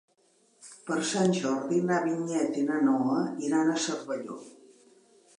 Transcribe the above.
Per Sant Jordi na Vinyet i na Noa iran a Cervelló.